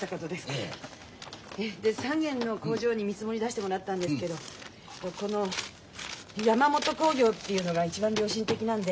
３軒の工場に見積もり出してもらったんですけどこの山本工業っていうのが一番良心的なんで。